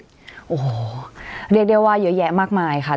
โอ้โหเรียกได้ว่าเยอะแยะมากมายค่ะ